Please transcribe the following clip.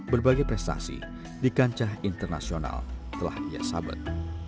berbagai prestasi di kancah internasional telah dia sabat